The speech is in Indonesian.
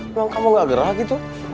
emang kamu ga gerah gitu